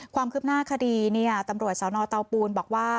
ความคืบหน้าคดีเนี่ยตำรวจสาวนอเต้าปูนบอกว่า